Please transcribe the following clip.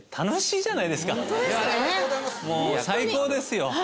もう最高ですよ。